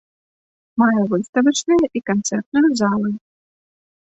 Мае выставачныя і канцэртную залы.